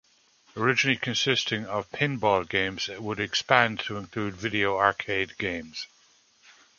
Originally consisting of pinball games, it would expand to include video arcade games.